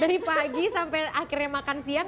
dari pagi sampai akhirnya makan siang